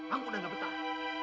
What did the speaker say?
aku udah gak betah